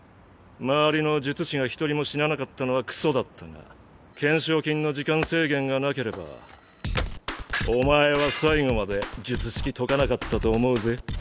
周りの術師が１人も死ななかったのはクソだったが懸賞金の時間制限がなければお前は最後まで術式解かなかったと思うぜ。